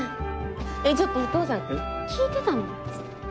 えっちょっとお父さん聞いてたの？